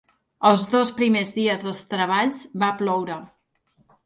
Els dos primers dies dels treballs va ploure.